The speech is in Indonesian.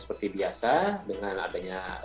seperti biasa dengan adanya